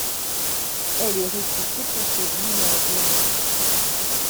Elle est réputée pour ses vignobles.